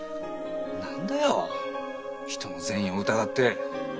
何だよ人の善意を疑って。